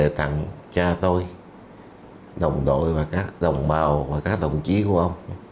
kính đề tặng cha tôi đồng đội và các đồng bào và các đồng chí của ông